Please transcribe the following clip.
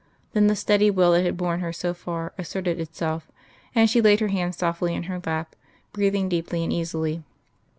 Then the steady will that had borne her so far asserted itself, and she laid her hands softly in her lap, breathing deeply and easily.